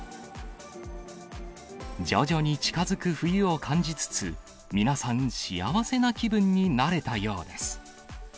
徐々に近づく冬を感じつつ、皆さん、幸せな気分になれたようです。